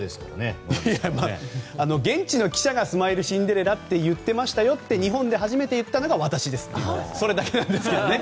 現地の記者がスマイルシンデレラって言ってましたよって日本で初めて言ったのが私ですっていうそれだけなんですけどね。